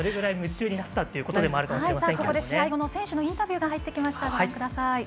ここで試合後の選手のインタビューが入ってきました。